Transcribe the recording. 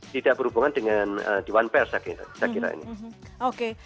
tidak berhubungan dengan di one pair saya kira